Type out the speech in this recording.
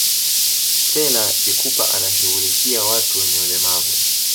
stela ikupa anashughulikia watu wenye ulemavu